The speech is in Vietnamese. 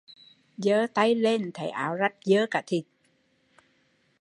Dơ tay lên, áo rách giơ cả thịt